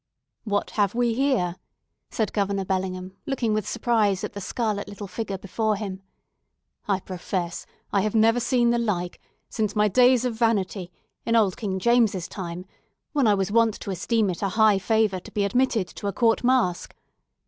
"What have we here?" said Governor Bellingham, looking with surprise at the scarlet little figure before him. "I profess, I have never seen the like since my days of vanity, in old King James's time, when I was wont to esteem it a high favour to be admitted to a court mask!